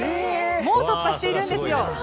もう突破しているんですよ！